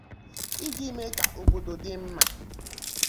iji mee ka obodo dị mma.